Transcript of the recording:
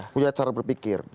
punya cara berpikir